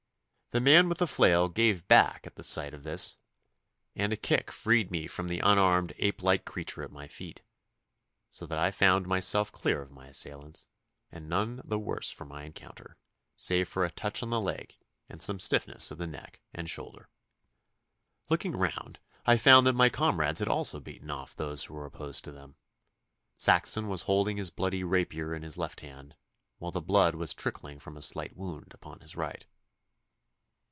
The man with the flail gave back at sight of this, and a kick freed me from the unarmed ape like creature at my feet, so that I found myself clear of my assailants, and none the worse for my encounter, save for a touch on the leg and some stiffness of the neck and shoulder. Looking round I found that my comrades had also beaten off those who were opposed to them. Saxon was holding his bloody rapier in his left hand, while the blood was trickling from a slight wound upon his right.